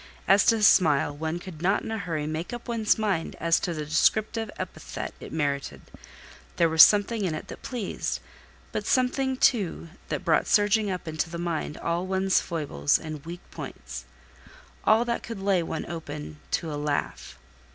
As to his smile, one could not in a hurry make up one's mind as to the descriptive epithet it merited; there was something in it that pleased, but something too that brought surging up into the mind all one's foibles and weak points: all that could lay one open to a laugh.